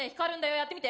やってみて。